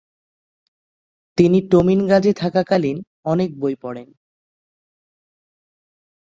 তিনি টোমিনগাজ এ থাকাকালীন অনেক বই পড়েন।